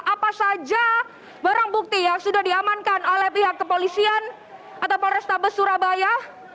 apa saja barang bukti yang sudah diamankan oleh pihak kepolisian atau polrestabes surabaya